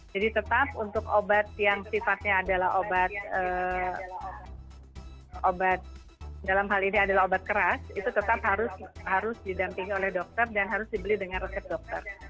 jadi tetap untuk obat yang sifatnya adalah obat keras itu tetap harus didampingi oleh dokter dan harus dibeli dengan resep dokter